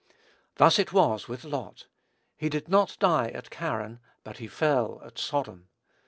Thus it was with Lot. He did not die at Charran; but he fell at Sodom.